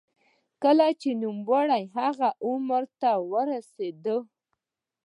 کله چې نوموړی هغه عمر ته ورسېد.